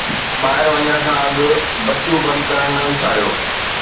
ٻاهر وڃڻ کان اڳ بتيون بند ڪرڻ نه وساريو